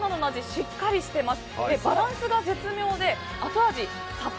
しっかりしてます。